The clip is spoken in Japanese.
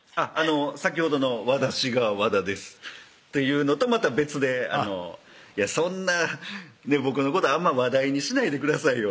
先ほどの「わだしが和田です」っていうのとまた別で「そんな僕のことあんま話題にしないでくださいよ」